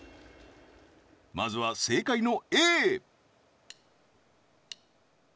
まずは正解のＡ